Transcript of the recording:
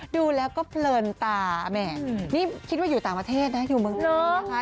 ดูแล้วก็เพลินตาแหมนี่คิดว่าอยู่ต่างประเทศนะอยู่เมืองไทยนะคะ